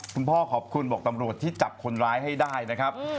คุณพ่อขอบคุณบอกตำรวจที่จับคนร้ายให้ได้นะครับ